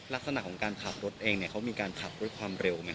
ลักษณะของการขับรถเองเนี่ยเขามีการขับด้วยความเร็วไหม